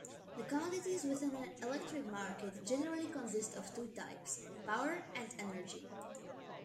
The commodities within an electric market generally consist of two types: power and energy.